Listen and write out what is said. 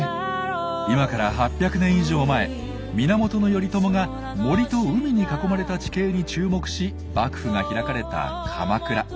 今から８００年以上前源頼朝が森と海に囲まれた地形に注目し幕府が開かれた鎌倉。